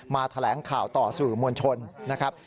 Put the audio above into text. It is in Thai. แถลงข่าวต่อสื่อมวลชนนะครับ